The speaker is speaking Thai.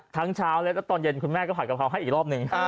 เช้าและตอนเย็นคุณแม่ก็ผัดกะเพราให้อีกรอบหนึ่ง